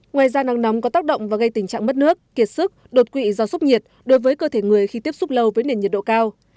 ngoài ra nắng nóng có tác động và gây tình trạng mất nước kiệt sức đột quỵ do sốc nhiệt đối với cơ thể người khi tiếp xúc lâu với nền nhiệt độ cao